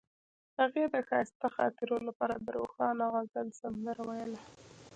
هغې د ښایسته خاطرو لپاره د روښانه غزل سندره ویله.